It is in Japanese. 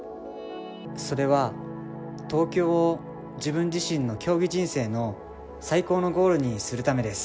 それは東京を自分自身の競技人生の最高のゴールにするためです。